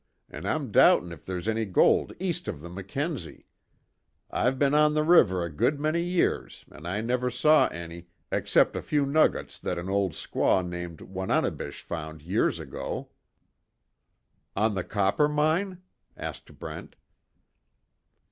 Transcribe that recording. An' I'm doubtin' if there's any gold east of the Mackenzie. I've been on the river a good many years, an' I never saw any, except a few nuggets that an old squaw named Wananebish found years ago." "On the Coppermine?" asked Brent.